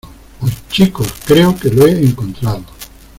Chicos, creo que lo he encontrado.